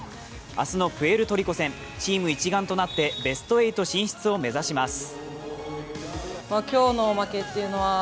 明日のプエルトリコ戦、チーム一丸となってベスト８進出を目指します。